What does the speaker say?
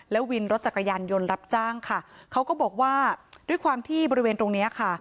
วินรถจักรยานยนต์รับจ้างค่ะเขาก็บอกว่าด้วยความที่บริเวณตรงเนี้ยค่ะ